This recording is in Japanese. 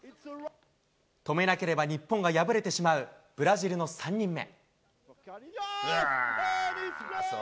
止めなければ、日本が敗れてしまうブラジルの３人目。